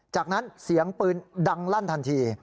จากนั้นเสียงปืนดังลั่นทันที